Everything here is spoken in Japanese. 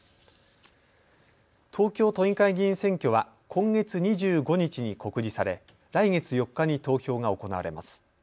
東京都議会議員選挙は今月２５日に告示され、来月４日に投票が行われます。